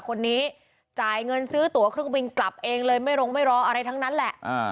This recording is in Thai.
คนนี้จ่ายเงินซื้อตัวเครื่องบินกลับเองเลยไม่ลงไม่รออะไรทั้งนั้นแหละ